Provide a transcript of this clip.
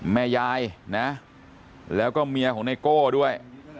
แม่ยายนะแล้วก็เมียของไนโก้ด้วย